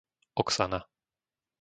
Oxana